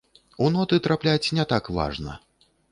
У ноты трапляць не так важна.